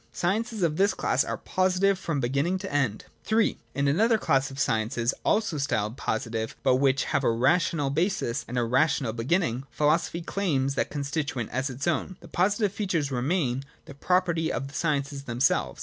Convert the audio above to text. Sciences of this class are positive from beginning to end. III. In another class of sciences, also styled positive, but which have a rational basis and a rational beginning, philosophy claims that constituent as its own. The positive features remain the property of the sciences themselves.